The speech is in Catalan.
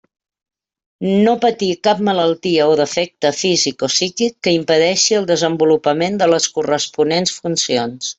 No patir cap malaltia o defecte físic o psíquic que impedeixi el desenvolupament de les corresponents funcions.